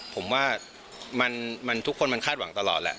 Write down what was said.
ผมว่าทุกคนมันคาดหวังตลอดแหละ